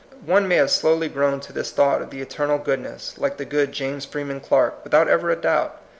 One may have slowly grown to this thought of the eternal goodness, like the good James Freeman Clarke, without ever a doubt.